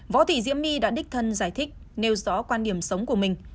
võ thị diễm my đã đích thân giải thích nêu rõ quan điểm sống của mình